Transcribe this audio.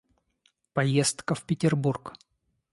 Поездка в Петербург.